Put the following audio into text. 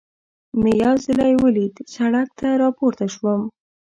مې یو څلی ولید، سړک ته را پورته شوم.